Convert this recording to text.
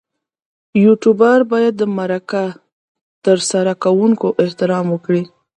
یوټوبر باید د مرکه ترسره کوونکي احترام وکړي.